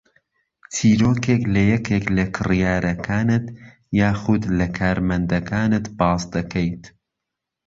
چیرۆکێک لە یەکێک لە کڕیارەکانت یاخوود لە کارمەندەکانت باس دەکەیت